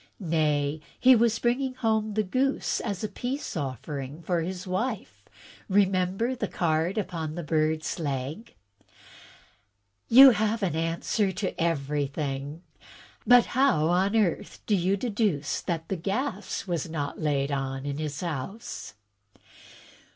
"Nay, he was bringing home the goose as a peace offering to his wife. Remember the card upon the bird's leg." "You have an answer to everjrthing. But how on earth do you deduce that the gas is not laid on in his house?"